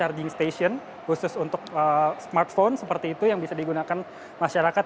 charging station khusus untuk smartphone seperti itu yang bisa digunakan masyarakat